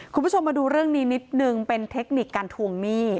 คุณผู้ชมมาดูเรื่องนี้นิดนึงเป็นเทคนิคการทวงหนี้